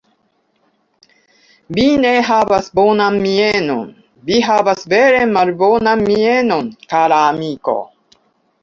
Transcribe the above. Vi ne havas bonan mienon; vi havas vere malbonan mienon, kara amiko.